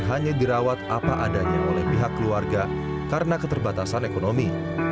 hanya dirawat apa adanya oleh pihak keluarga karena keterbatasan ekonomi